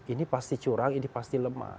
ini pasti curang ini pasti lemah